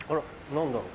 何だろう？